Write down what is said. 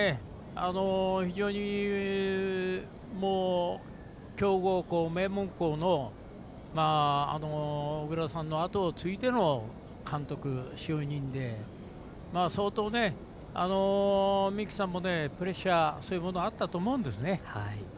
非常に強豪校、名門校の小倉さんのあとを継いでの監督就任で相当、三木さんもプレッシャーそういうものあったと思うんですね。